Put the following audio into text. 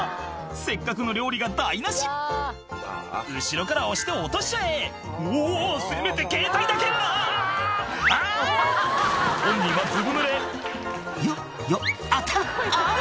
せっかくの料理が台無し後ろから押して落としちゃえ「おぉせめてケータイだけあぁあぁ！」本人はずぶぬれ「よっよっあたっあぁ」